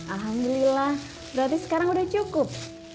alhamdulillah berarti sekarang udah cukup